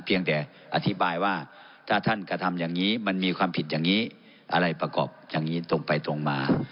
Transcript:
เพียงแต่อธิบายว่าถ้าท่านกระทำอย่างนี้มันมีความผิดอย่างนี้อะไรประกอบอย่างนี้ตรงไปตรงมา